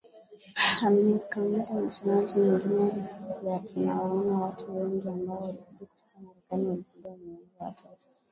amekamata nationality nyingine ya tunawaona watu wengi ambao walikuja kutoka marekani walikuja wamewaimba watoto